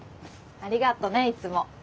ありがとねいつも。